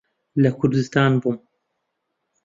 لە کوردستان بووم.